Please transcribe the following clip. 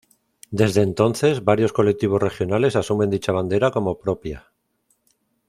Desde entonces, varios colectivos regionales asumen dicha bandera como propia.